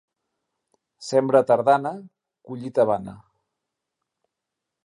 Sembra tardana, collita vana.